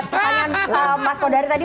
pertanyaan mas kodari tadi